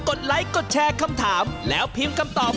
ไลค์กดแชร์คำถามแล้วพิมพ์คำตอบ